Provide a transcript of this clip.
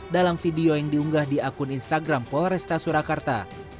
dalam video yang diunggah di akun instagram polresta surakarta